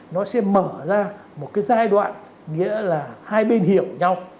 nó sẽ mở ra một cái giai đoạn nghĩa là hai bên hiểu nhau